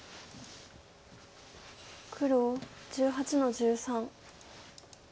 黒１８の十三。